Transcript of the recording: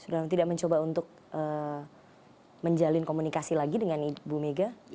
sudah tidak mencoba untuk menjalin komunikasi lagi dengan ibu mega